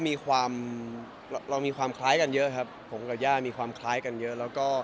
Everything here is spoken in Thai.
มีความเรามีความคล้ายกันเยอะครับผมกับย่ามีความคล้ายกันเยอะแล้วก็